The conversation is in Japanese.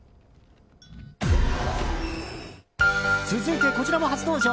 続いて、こちらも初登場。